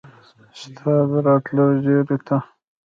ستا د راتلو زیري ته